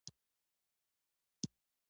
د کندز په علي اباد کې کوم کان دی؟